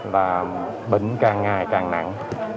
là bệnh càng ngày càng nặng